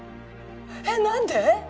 えっ何で？